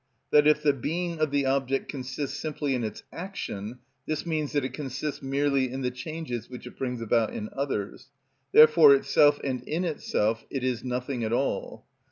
that if the being of the object consists simply in its action, this means that it consists merely in the changes which it brings about in others; therefore itself and in itself it is nothing at all.